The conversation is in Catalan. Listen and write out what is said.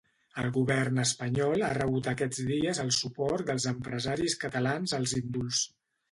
El govern espanyol ha rebut aquests dies el suport dels empresaris catalans als indults.